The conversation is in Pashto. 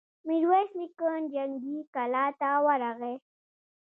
ميرويس نيکه جنګي کلا ته ورغی.